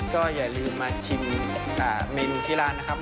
ก็อย่าลืมมาชิมเมนูที่ร้านนะครับ